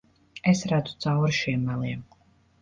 Es redzu cauri šiem meliem.